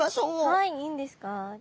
はいいいんですか。